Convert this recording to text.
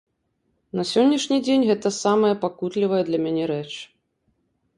На сённяшні дзень гэта самая пакутлівая для мяне рэч.